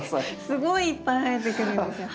すごいいっぱい生えてくるんですよ